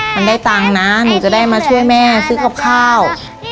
มันได้ตังค์นะหนูจะได้มาช่วยแม่ซื้อกับข้าว